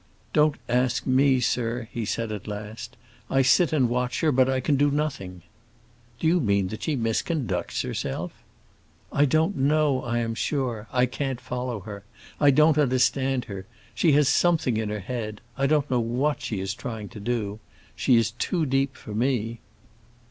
"Don't ask me, sir," he said at last. "I sit and watch her, but I can do nothing." "Do you mean that she misconducts herself?" "I don't know, I am sure. I can't follow her. I don't understand her. She has something in her head; I don't know what she is trying to do. She is too deep for me."